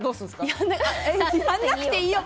やんなくていいよ